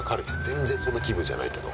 全然そんな気分じゃないけど。